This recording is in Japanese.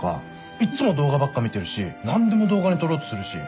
いっつも動画ばっか見てるし何でも動画に撮ろうとするし。